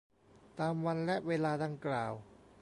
ตามวันและเวลาดังกล่าว